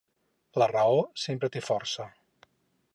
La raó sempre té força.